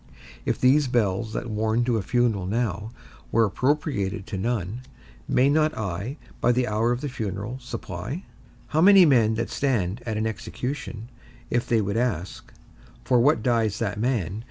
If these bells that warn to a funeral now, were appropriated to none, may not I, by the hour of the funeral, supply? How many men that stand at an execution, if they would ask, For what dies that man?